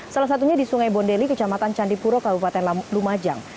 salah satunya di sungai bondeli kecamatan candipuro kabupaten lumajang